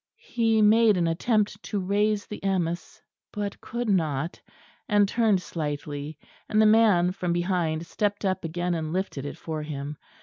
He made an attempt to raise the amice but could not, and turned slightly; and the man from behind stepped up again and lifted it for him.